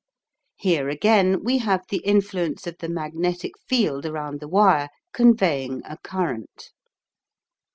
Here again we have the influence of the magnetic field around the wire conveying a current.